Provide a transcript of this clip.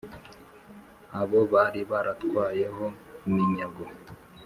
abo bari baratwayeho iminyago,